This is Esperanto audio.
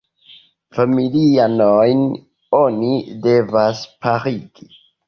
Familianojn oni devas parigi.